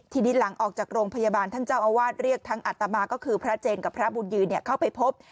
ทีนี้หลังออกจากโรงพยาบาลท่านเจ้าอาวาสเรียกทั้งอัตมาก็คือพระเจนกับพระบุญยืนเข้าไปพบ